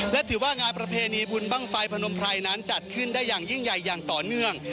และถือว่างานประเพณีบุญบ้างไฟพนมไพรนั้นจัดขึ้นได้อย่างยิ่งใหญ่อย่างต่อเนื่อง